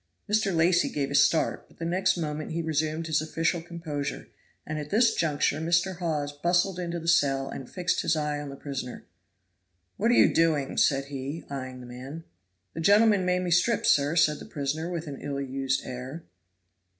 Mr. Lacy gave a start, but the next moment he resumed his official composure, and at this juncture Mr. Hawes bustled into the cell and fixed his eye on the prisoner. "What are you doing?" said he, eying the man. "The gentleman made me strip, sir," said the prisoner with an ill used air.